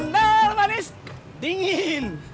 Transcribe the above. jendal manis dingin